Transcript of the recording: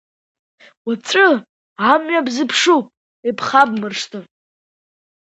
Уаҵәы амҩа бзыԥшуп, ибхабмыршҭын!